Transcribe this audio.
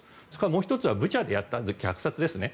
もう１つはブチャでやった虐殺ですね。